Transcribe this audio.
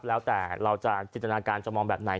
แล้วแต่เราจะจินตนาการจะมองแบบไหน